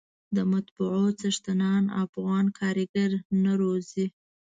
د مطبعو څښتنان افغاني کارګر نه روزي.